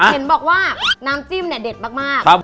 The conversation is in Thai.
เห็นบอกว่าน้ำจิ้มเนี่ยเด็ดมาก